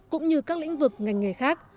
cũng như các lĩnh vực ngành nghề khác